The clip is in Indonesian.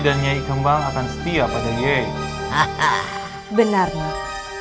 tapi sehingga saya tidak bisa memburuk